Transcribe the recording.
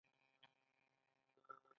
ایا خبرې کول درته ګران دي؟